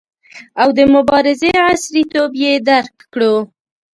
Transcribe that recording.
او د مبارزې عصریتوب یې درک کړو.